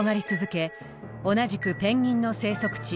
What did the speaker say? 同じくペンギンの生息地